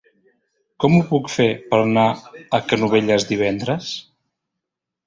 Com ho puc fer per anar a Canovelles divendres?